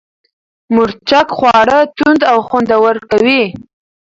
مرچک خواړه توند او خوندور کوي.